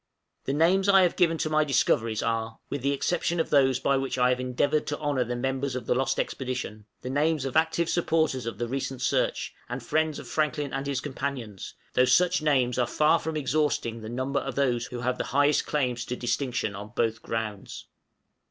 The names I have given to my discoveries are, with the exception of those by which I have endeavored to honor the members of the lost expedition, the names of active supporters of the recent search, and friends of Franklin and his companions, though such names are far from exhausting the number of those who have the highest claims to distinction on both grounds.